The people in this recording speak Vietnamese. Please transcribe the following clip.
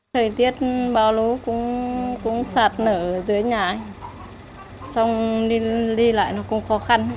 thời tiết bao lâu cũng sạt nở dưới nhà trong đi lại nó cũng khó khăn